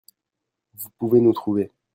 Vous pouvez nous trouver.